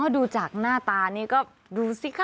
ดูจากหน้าตานี่ก็ดูสิคะ